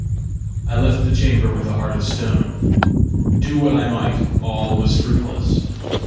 I left the chamber with a heart of stone. Do what I might, all was fruitless.